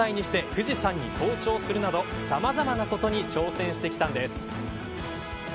さらに８０歳にして富士山に登頂するなどさまざまなことに挑戦してきたんです。